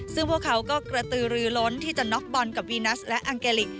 ซึ่งพวกเขาก็กระตือรือล้นที่จะน็อกบอลกับวีนัสและอังเกลิก